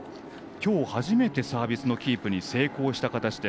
きょう初めてのサービスキープに成功しました。